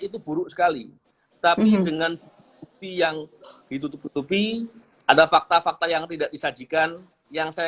itu buruk sekali tapi dengan bukti yang ditutup tutupi ada fakta fakta yang tidak disajikan yang saya